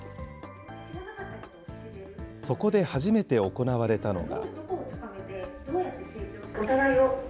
そこで初めて行われたのが。